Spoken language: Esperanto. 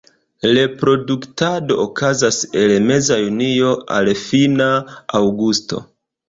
Reproduktado okazas el meza junio al fina aŭgusto.